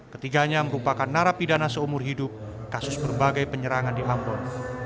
ketiganya merupakan narapidana seumur hidup kasus berbagai penyerangan di ambon